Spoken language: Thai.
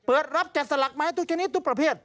เปิดรับแก่สลักให้ทุกแจนนี้ทุกประเภท